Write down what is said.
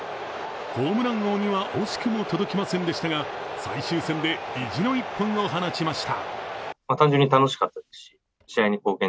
ホームラン王には惜しくも届きませんでしたが最終戦で意地の一本を放ちました。